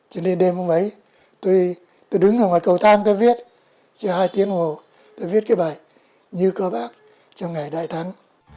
cho nên đêm hôm ấy tôi đứng ở ngoài cầu thang tôi viết cho hai tiếng hồ tôi viết cái bài như có bác trong ngày đại thắng